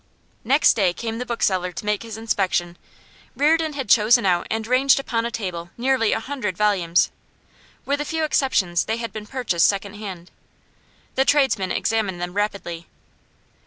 Next day came the bookseller to make his inspection. Reardon had chosen out and ranged upon a table nearly a hundred volumes. With a few exceptions, they had been purchased second hand. The tradesman examined them rapidly.